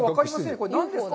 これ、何ですか！？